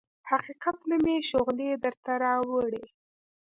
حقیقت نه مې شغلې درته راوړي